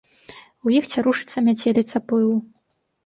У іх цярушыцца мяцеліца пылу.